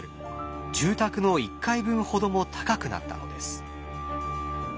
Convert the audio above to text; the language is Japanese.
住宅の１階分ほども高くなったのです。